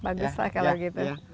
bagus lah kalau gitu